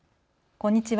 こんにちは。